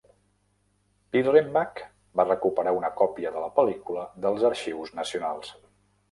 Birrenbach va recuperar una còpia de la pel·lícula dels arxius nacionals.